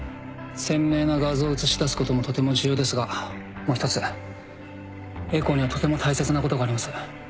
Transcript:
鮮明な画像を写し出すこともとても重要ですがもう一つエコーにはとても大切なことがあります